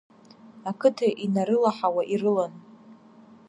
Ақыҭа инарылаҳауа ирылан.